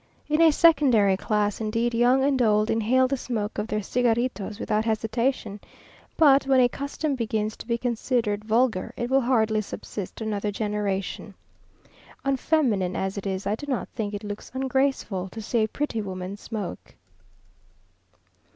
In a secondary class, indeed, young and old inhale the smoke of their cigaritos without hesitation, but when a custom begins to be considered vulgar, it will hardly subsist another generation. Unfeminine as it is, I do not think it looks ungraceful to see a pretty woman smoke.